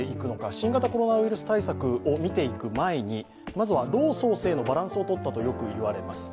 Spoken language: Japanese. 新型コロナウイルス対策をみていく前にまずは老・壮・青のバランスをとったとよくいわれています。